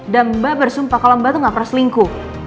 dan mbak bersumpah kalau mbak tuh gak peras lingku